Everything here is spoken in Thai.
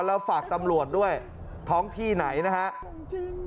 แล้วฝากตำรวจด้วยท้องที่ไหนนะครับ